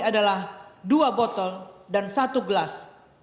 adalah dua botol dan satu gelas